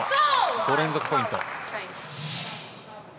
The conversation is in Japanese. ５連続ポイント。